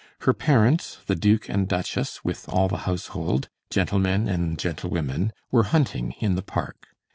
Her parents, the duke and duchess, with all the household, gentlemen and gentlewomen, were hunting in the park.